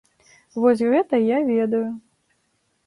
Вось гэта я ведаю!